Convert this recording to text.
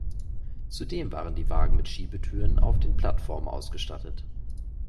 Zudem waren die Wagen mit Schiebetüren auf den Plattformen ausgestattet.